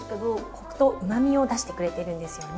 コクとうまみを出してくれているんですよね。